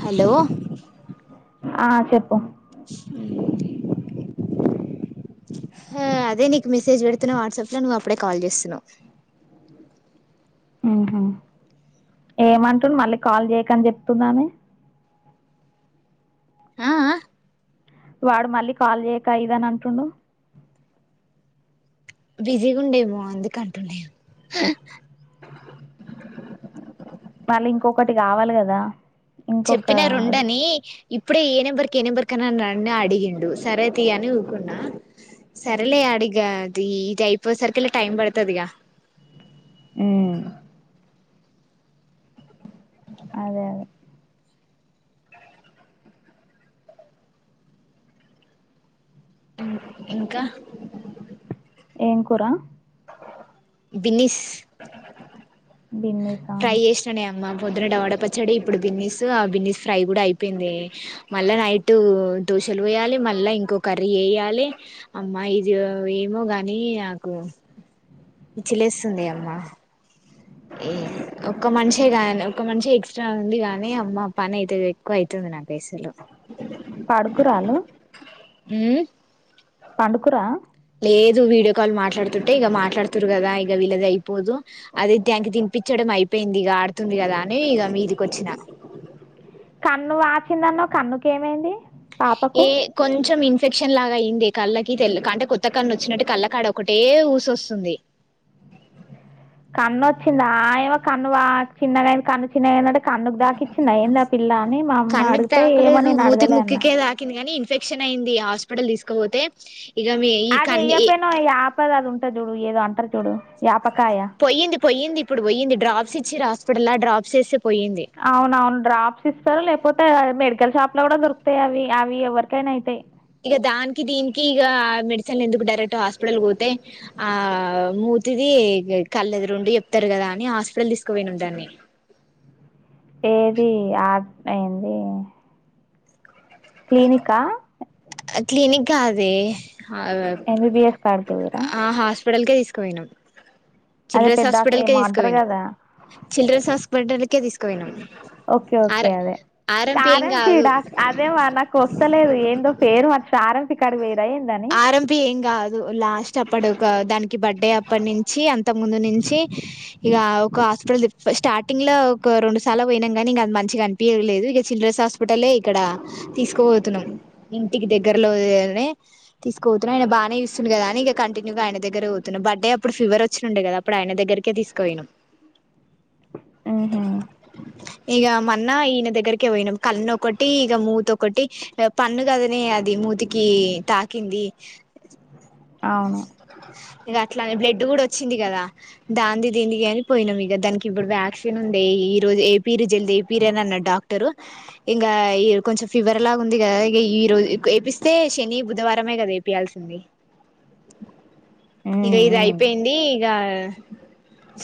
Hello ఆ చెప్పు అ అదే నీకు మెసేజ్ పెడుతున్నా వాట్సాప్ లో నువ్వు అప్పుడే కాల్ చేస్తున్నావు హ్మ్ హు ఏమంటుడు మళ్ళీ కాల్ చేయకని చెప్తుందా ఆమె అ ఆ వాడు మళ్ళీ కాల్ చేయక ఇదని అంటుండు బిజీగా ఉండేమో అందుక అంటున్నా అలా ఇంకొకటి కావాలి కదా ఇంకొక చెప్పిన రొండని ఇప్పుడే ఏ నెంబర్కి ఏ నెంబర్ కన్నా నన్ననే అడిగిండు సరే తి అని ఊకున్నా సరేలే అడిగా అది ఇది అయిపోయేసరికి ఇలా టైం పడుతుదిగా హ్మ్ అదే అదే ఇంకా ఏం కూర హ్ బిన్నిస్ బిన్నీసా ట్రై చేసిననే అమ్మమ్ పొద్దున టమోడ పచ్చడి ఇప్పుడు బిన్నీస్, ఆ బిన్నీస్ ఫ్రై కూడా అయిపెయింది. మళ్ళా నైట్ దోశలు వేయాలి, మళ్ళా ఇంకో కర్రీ ఏయ్యాలి. అమ్మా ఇజిగో ఏమో, గానీ నాకు ఇచ్చిలేస్తుంది. అమ్మా ఇ ఒక్క మనిషి గాని ఒక మనిషి ఎక్స్ట్రా ఉంది. గానీ అమ్మ పని అయితే ఎక్కువ అయితుంది. నాక్ పైసలు పడుకురాళ్ళు హ్మ్ ప్చ్ పండుకుర్రా లేదు వీడియో కాల్ మాట్లాడుతుంటే, ఇక మాట్లాడుతురు కదా ఇగ వీళ్లది, అయిపోదు అదే ట్యాంకి దిన్పిచ్చడం అయిప్ పెయిన్ది ఇగ ఆడుతుంది, కదా అనీ ఇగ మీదికొచ్చిన ఖన్ను వాచిందన్నవ్ కన్నుకేమైంది. పాపకు ఏ కొంచెం ఇన్ పెక్షన్ లాగా అయింది. కళ్ళకి తెల్ద్ కాంటే కొత్త కన్ను వచ్చినట్టు కళ్ళకాడ ఒకటే ఊసొసుంది. కన్నోచ్చిందా ఆయ్వక్ ఖన్ను వా చిన్నగాయింది కన్ను చిన్నగాయిందంటే కన్నుక్ దాక్చ్చిందా ఎన్దా పిల్లా అన్ని, మా అమ్మ కన్నుకి అడుగుత్తే ఏమో నేను అడగలే అన్నా పెక్షన్ అయిన్దిగా హాస్పిటల్ తీస్కపోతే అది ఏయ్కపోయ్నవా ఇగ ఆపదదు సరిజుడ్రు ఏదో అన్టర్ చూడు యాప్పక్కాయ పొయ్యింది పొయ్యింది ఇప్పుడు పోయ్యిన్ది డ్రాప్స్ ఇచ్చిర హాస్పిటల్లా డ్రాప్స్సెస్సెప్ అవునవున్ డ్రాప్స్ ఇస్తార లేక్పోతే ఆ మేడ్ కెల్ షాప్లో గూడా దొరుక్తాయ్ అవి అవి ఎవరికైనా ఐతయ్ ఇగా దాన్కి దీన్కి ఇగా ఆ మెడిసిన్ ఎందుకు డైరక్ట్ హాస్పిటల్ పోతే ఆ మూతిది ఇ గ్ కళ్ల ఎదురు రెండు చెప్తారు గదా అని హాస్పిటల్ తీస్కుపోయన్నామ్ దాన్ని ఏది ఆక్ ఏన్ది క్లీనిక్ ఆ క్లినిక్ కాదే ఎం బి బి ఎస్ కాడికే పోయిర్రా పిడల్కే తీస్కపోయినామ్ అదే చిల్డ్రన్స్ పెద్ద హాస్పిటల్కే ఏమో అంటారు తీస్కపోయిండ్రు, కదా చిల్డ్రన్స్ హాస్పిటల్కే తీస్ క్కోయినమ్ ఏం కారం కాదు పీడ అదే మనక్ పోస్తలేదు ఏన్దో పేరు మర్చ్ సార్ ఇంటికాడికి వోయిరి ఆర్ ఎం పి ఏమ్గాదు లాస్ట్ అప్పడు క్కువా దాన్కి బర్త్డే అప్పట్నిన్చి అంత ముందు నిన్చి, ఇగా ఒక హాస్పిటల్ తిప్ ఫస్ట్ స్టార్టింగ్లో, ఒకొ రెండు సార్లా పోయినామ్ గాని, ఇంకా అ మంచిగా అన్పియలేదు ఇగా చిల్డ్రన్స్ హాస్పిటల్లే ఇక్కడ తీస్కపోతున్నాం. ఇంటికి దగ్గర్ల్ లో అవే తీస్కపోతునా ఆయన బానే చూస్తుండు గదా అని ఇగ కంటిన్యూగా ఆయన దగ్గరకే పోత్తునం బార్డ్ అప్పుడు ఫీవర్ వచ్చినుండే గదా అప్పుడాయన దగ్గరికే తీస్కాపోయిన్నామ్ ఉహుమ్ ఇగా మొన్న ఈయన దగ్గరకే పోయిన్నామ్ కన్ను ఒకటి ఇగ మూతి ఒకటి హ్ పన్ను కదనే అది మూతికి తాకిన్ కిన్ ది అవును ఇగ అట్లానే బ్లడ్ గూడా వచ్చిన్ది గదా దాన్ది దీన్ది గాని పోయ్నామ్ ఇగ దాన్కి ఇప్పుడు వ్యాక్సిన్ నున్ది ఈ రోజు యేపిర్యి జల్ది యేపిర్య్ అని అన్నాడు డాక్టరు ఇంగా ఈ కొంచెం ఫీవర్ లాగా ఉంది గదా ఇ ఈ రోజు యేపిస్తే శని బుధవారమే గదా యేపియాల్సిన్ది ఇగా ఉమ్, ఇది ఉమ్. అయిపోయింది ఇగా హ్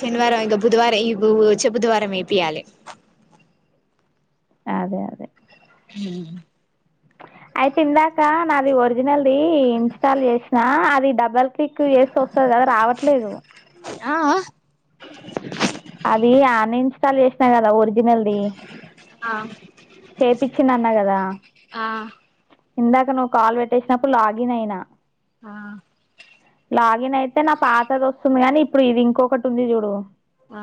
శనివారం ఇంగా బుధవార్ ఈ వచ్చే బుధవారం యేపియాలె అదె అదె ఐతే ఇందాక నాది ఒరిజినల్ది ఇన్స్టాల్ జెస్న అది డబల్ కిక్ ఎస్తే వొస్తదా రావట్లేదు అ అ అది అన్ఇన్స్టాల్ జేస్నా గదా ఒరిజినల్ది ఆ చేపచ్చిన అన్నావ్ కదా ఆ ఇందాక నువ్వు కాల్ పెట్టేసినప్పుడు లాగిన్ అయినా ఆ లాగిన్ అయితే నా పాతది వస్తుంది కానీ ఇప్పుడు ఇది ఇంకొకటి ఉంది చూడు ఆ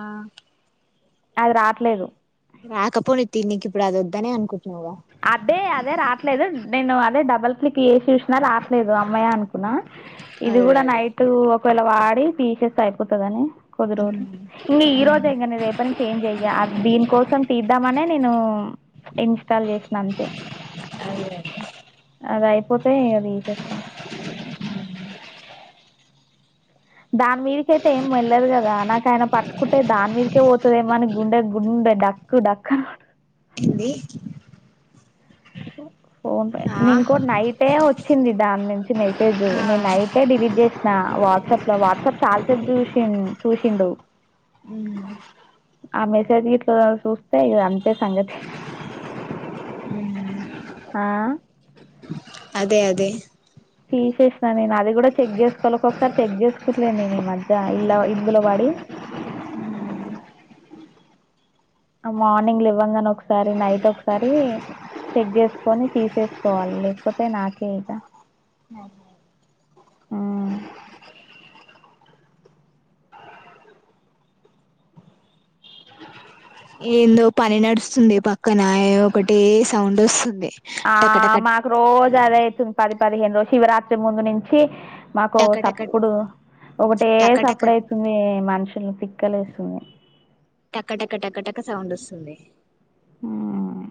అది రాట్లేదు రాకపోని తీ నీకి ఇప్పుడు అది వద్దనే అనుకుంటు అదే అదే రాట్లేదు నేను అదే డబల్ ఏసి చూసినా రాట్లేదు అమ్మ ద అనుకున్నా ఇది అదే కూడా అదే నైట్ తెల వారి తీసేస్తే అయిపోతాదని కుదు రోజలు మ్ ఇంకా ఈ రోజు అంకా న రేపని చేంజ్ అయ్యా దీని కోసం తీద్దామనే నేను ఇన్స్టాల్ చేస [inaudible] అద అయిపో ఇస్తే అది తేస్తా దాని మీదక అయితే ఏం వెళ్లేదు కదా నాకు ఆయన పట్టుకుంటే దాని మీదకే పోతుంది ఏమని గుండె గుండె డక్కు డక్కన ఏంది ఫోన్ పే ఆ న ఇంకో నైటే వచ్చింది దాని నుంచి మెసేజ్ నేను నైటే డిలీట్ చేసిన వాట్సాప్ లో వాట్సాప్ చాలాసేపు చూసి చూసిండు మ్మ్ ఆ మెసేజ్ గిట్ల చూస్తే ఇగ అంతే సంగతి హ్మ్ ఆ అదే అదే తీశేషా న నా అది కూడా చెక్ చేసుకోవాలి ఒకొక్కసారి చెక్ చేసుకోట్లేదు నే ఈ మధ్య ఇలా గిలవాడి ఆ మనింగ్ దివంగణ ఒకసారి నైట్ ఒకసారి చెక్ చేసుకు కొని తీసేసుకోవాలి లేకపోతే నాకే ఇక ఉమ్. అ ఏందో పని నడుస్తుంది పక్కన ఈ ఒకటే సౌండ్ వస్తుంది ఆ టకటక మాకు రోజు అది అవుతుంది పది పదిహేను రోజు శివరాత్రి ముందు నుంచి మాకు టకటక సప్పుడు ఒకటే టకటక సప్పుడు అయితుంది మనుషులను తిక్క లేస్తుంది టకటక టకటక సౌండ్ వస్తుంది మ్మ్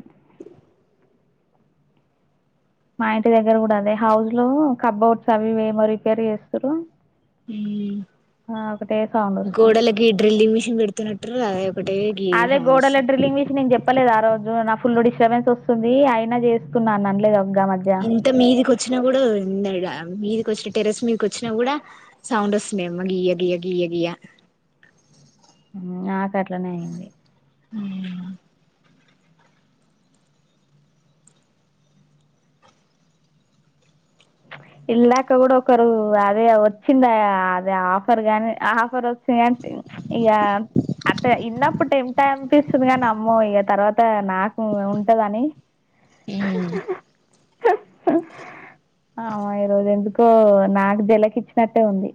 మా ఇంటి దగ్గర కూడా అదే హౌస్ లో కబ్ౌడ్స్ అవి ఏమో రిపేర్ చేస్తారు హ్మ్ సౌండ్ వస్తుంది గోడాలోకి డ్రిలింగ్ మిషన్ పెడుత టుర్రు టుర్రు అదే గోడల డ్రిల్లింగ్ చేసిన్లు నేను చెప్పలేదు ఆ రోజు ఫుల్ డిస్టర్బెన్స్ వస్తుంది అయినా చేస్తున్నా అనలేద ఇంత మీదికి వచ్చినా కూడా ఎందడ మీదికచ్చి టెరెస్ మీదకు వచ్చిన కూడా సౌండ్ వస్తున్నయి అమ్మ గియ్య గియ్య గియ్య గియ్య నాక అట్లనే అయింది ఉమ్ ఇందాక కూడా ఒకరు అదే వచ్చింద అదే ఆఫర్ గాని ఆ ఆఫర్ సేవేంటీన్ ఇగా ఇళ్ళప్పు టెన్ టమ్ చపిస్తది గని అమ్మో ఇక తర్వాత నాకు ఉంటదని ఆ ఆ ఈ రోజు ఎందుకో నాకు జలక్ ఇచ్చినట్టే ఉంది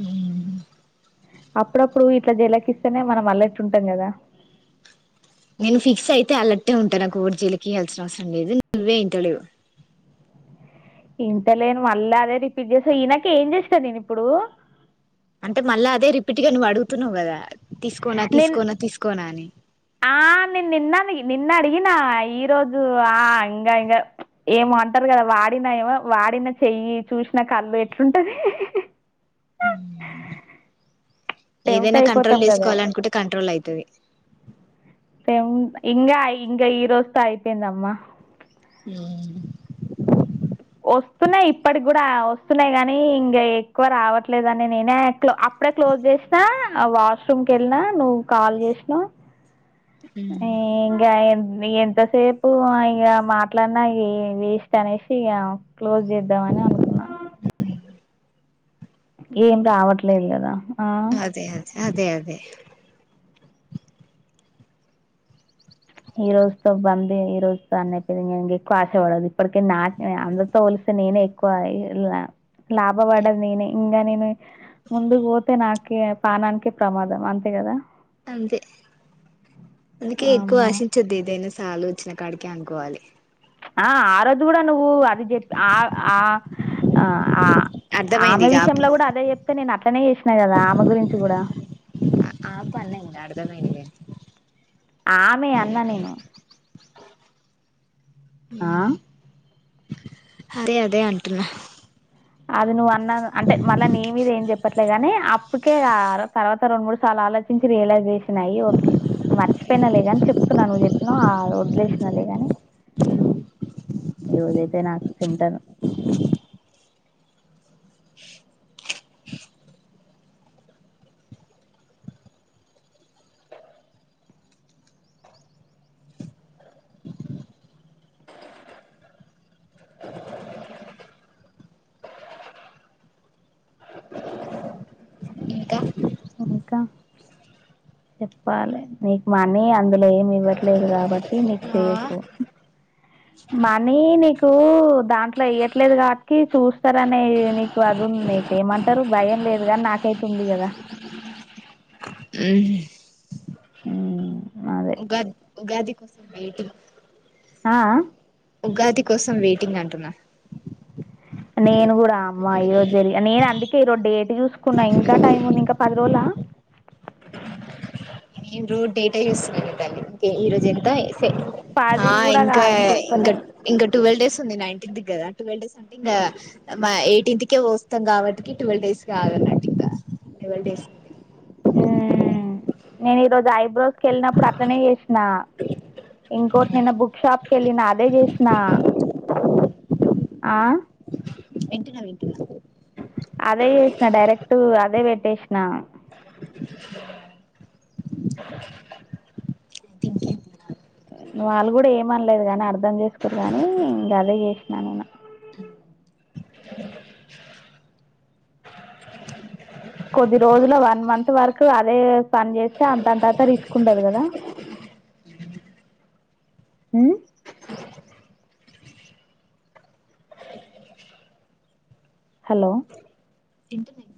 మ్మ్ అప్పుడప్పుడు ఇట్లా జలక్ ఇస్తేనే మనం అల్లెట్టు ఉంటాం కదా నేను ఫిక్స్ అయితే ఆల్ అట్టే ఉంటారు ఆ కుర్జీలాకి రావాల్సిన అవసరం లేదు నువ్వే వింట లేవు ఇంతలేను మళ్ళ అదే రిపీట్ చేసా ఇనక ఏం చేస్తా నేను ఇప్పుడు అంటే మళ్ళా అదే రిపీట్ గా నువ్వు అడుగుతున్నావు కదా తీసుకోనా నిన్ తీసుకోనా తీసుకోనా అని ఆ నిను నిన్నది నిన్న అడిగిన ఈ రోజు ఆ ఇంగా ఇంగా ఏమో అంటారు కదా వాడినా ఏమో వాడిన చెయ్యి చూసినా కళ్ళు ఎట్లుంటది ఉమ్ టెంప్ట్ ఏదైనా అయిపోతాం కంట్రోల్ కదా చేసుకోవాల అనుకుంటే కంట్రోల్ ఐతది టెం ఇంకా ఇంకా ఈ రోజుతో అయిపోయిందమ్మా ఉమ్ వస్తున్నాయి ఇప్పటికి కూడా వస్తున్నాయి్ కాగానీ ఇంకా ఎక్కువ రావట్లేదుని నేనే అట్ల అప్పుడే క్లోజ్ చేసినా వాష్రూమ్కి వెళ్ళినా నువ్వు కాల్ చేసినవ్ ఇంగా ఎంతసేపు ఇక మాట్లాడినా వేస్ట్ అనేసి ఇగా క్లోజ్ చేద్దామని అనుకున్నా ఏం రావట్లేదు కదా ఆ అదే అదే అదే అదే ఈ రోజుతో బందీ ఈ రోజుతో అన్న అయిపోయిందిక ఎక్కువ ఆశపడదు ఇప్పటిక నా అందరితో కలిసే నేనే ఎక్కువ లాభ వడేది నేనే ఇంగా నేేనే ముందుకు ఓతే నా ఓకే పానానికి ప్రమాదం అంతే కదా అంతే అందుకే ఎక్కువ అమ్మో ఆశ చేది ఏదైనా సాలు వచ్చిన కాడికి అనుకోవాలి ఆ ఆ రోజ్ కూడా నువ్వు ఆ ఆ ఆ ఆ అర్థమైంది ఆమె ఇగ ఆపు విషయంలో కూడా అదే చెప్తే నేను అట్నే చేసినాను కదా ఆమె గురించి కూడా ఆపు అన్న ఇంగ అర్థమైంది ఆమె అన్నా నేను ఆ అ అదే అదే అంటున్నా అది అ అంటే మళ్ళా నీ మీద ఏం చెప్పట్లే గాని ఇప్పుకే తర్వాత రెండు మూడు సార్లు ఆలోచించి రియలైజేసినయి వ మర్చిపోయిన లే ని చెప్తున్నా నువ్వు చెప్పినావు వదిలేసినా లేగాని ఈ రజయితే నాకు చింటదు ఇంకా ఇంకా చెప్పాలి నీకు మనీ అందులో ఏమి ఇవ్వట్లేదు కాబట్టి నీకు ఆ సేఫ్ మనీ నీకు దాంట్లో ఇయ్యట్లేదు కాబట్కి చూస్తారనే నీకు అది నీకు ఏమంటారు భయం లేదు కాని నాకైతు ఉంది కదా ఆ ఆ ఉగాది ఉగాది కోసం బయట్లు ఆ ఉగాది కోసం వెయిటింగ్ అంటున్నారు నేను కూడా అమ్ ఈ రోజు జరిగి నేను అందుకే ఈరోజు డేట్ చూసుకున్నా ఇంకా టైం ఉంది ఇంకా పది రోజులా నేను రోడ్ డేటా చయూస్న్న ఈరోజ ఎంత పది ఆ కూడా ఇంకా కాదు ఇంకా ఎక్కువనే ఇంకా ట్వెల్వ్ డేస్ ఉంది నైన్టీన్ కదా ట్వెల్వ్ డేస్ అంటే ఇంకా మా ఎయిటీన్త్ కే వస్తాం కాబట్టికి ట్వెల్వ్ డేస్ కాగాన్నట్టు ఇంకా ట్వల్ డేస్ంట ఉ నేను ఈరోజు ఐబ్రో కెళ్ళినప్పుడు అట్లనే చేసిన ఇంకోటి నిన్న బుక్ షాప్ క వెళ్ళిన అదే చేసిన ఆ వింటున్నా వింటున్నా అదే చేసిన డైరెక్ట్ అదే పెట్ చేసిన వాళ్ళు కూడా ఏమనలేదు కాని అర్ధం చేసుకోరు కానీ ఇంకా అదే చేసినాను నేన్న కొద్ది రోజుల వన్ మంత్ వరకు అదే పని చేస్తే అంతంతత తీసుకుంటది కదా హలో తింటున్నా